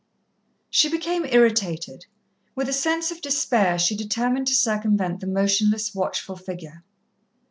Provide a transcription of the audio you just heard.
She became irritated. With a sense of despair she determined to circumvent the motionless, watchful figure.